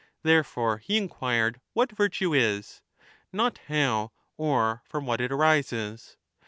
Therefore he inquired what virtue is, not how or from what 10 it arises.